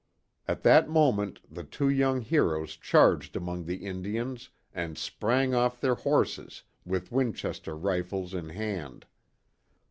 At that moment the two young heroes charged among the Indians and sprang off their horses, with Winchester rifles in hand.